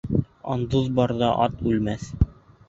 Андыҙ барҙа ат үлмәҫ.